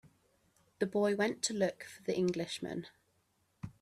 The boy went to look for the Englishman.